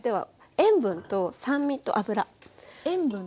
塩分と酸味と油。